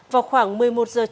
vào khoảng một mươi một giờ trước